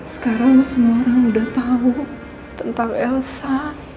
sekarang semua orang udah tahu tentang elsa